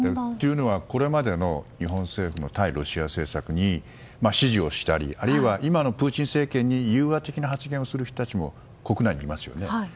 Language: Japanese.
というのはこれまでの日本政府の対ロシア政策に指示をしたりあるいは今のプーチン政権に融和的な発言をする人たちも国内にいますよね。